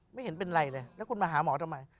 ไม่เห็นเป็นไรเลยแล้วคุณมาหาหมอทำไม